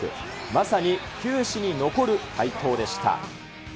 まさに球史に残る快投でした。